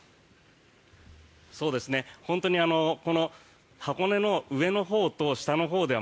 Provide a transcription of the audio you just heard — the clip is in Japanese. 本当に箱根の上のほうと下のほうでは